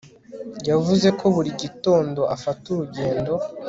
Yavuze ko buri gitondo afata urugendo